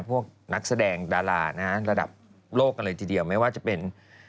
พวกนักแสดงดารานะฮะระดับโลกกันเลยทีเดียวไม่ว่าจะเป็น